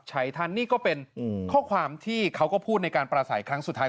ท่านนี่ก็เป็นข้อความที่เขาก็พูดในการประสัยครั้งสุดท้าย